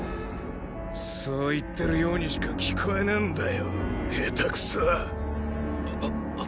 そう言ってるようにしか聞こえねえんだよヘタクソ！